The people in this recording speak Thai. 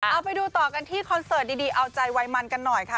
เอาไปดูต่อกันที่คอนเสิร์ตดีเอาใจวัยมันกันหน่อยค่ะ